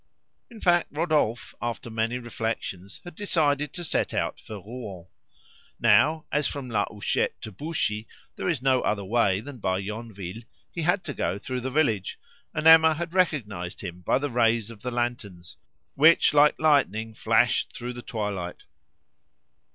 In fact, Rodolphe, after many reflections, had decided to set out for Rouen. Now, as from La Huchette to Buchy there is no other way than by Yonville, he had to go through the village, and Emma had recognised him by the rays of the lanterns, which like lightning flashed through the twilight.